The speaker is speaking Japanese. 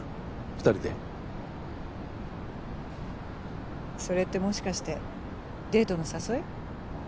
二人でそれってもしかしてデートの誘い？